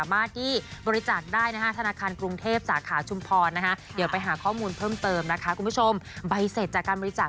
บะเช็ดจากการบริจาค